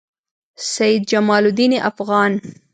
سعید جمالدین افغان